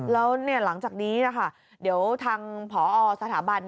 แล้วหลังจากนี้นะคะเดี๋ยวทางผอสถาบัน